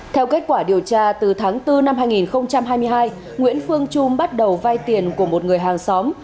theo kết quả điều tra từ tháng bốn năm hai nghìn hai mươi hai nguyễn phương trung bắt đầu vay tiền của một người hàng xóm